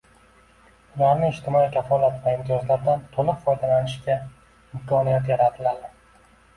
ularning ijtimoiy kafolat va imtiyozlardan to‘liq foydalanishiga imkoniyat yaratiladi.